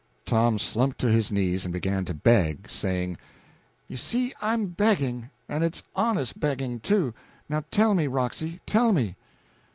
Tom slumped to his knees and began to beg, saying "You see, I'm begging, and it's honest begging, too! Now tell me, Roxy, tell me."